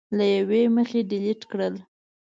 له یوې مخې ډیلېټ کړل